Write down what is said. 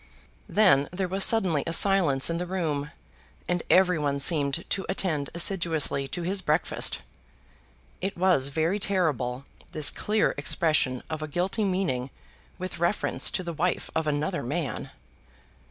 Then there was suddenly a silence in the room, and everyone seemed to attend assiduously to his breakfast. It was very terrible, this clear expression of a guilty meaning with reference to the wife of another man!